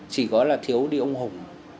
chỉ có là thiếu đi ông hùng